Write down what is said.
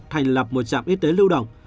thành lập một trạm y tế lưu động